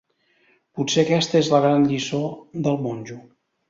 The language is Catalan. Potser aquesta és la gran lliçó del monjo.